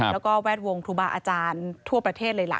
แล้วก็แวดวงครูบาอาจารย์ทั่วประเทศเลยล่ะ